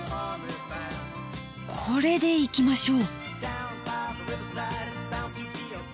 これでいきましょう。